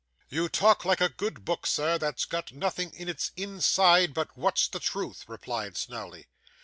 'You talk like a good book, sir, that's got nothing in its inside but what's the truth,' replied Snawley.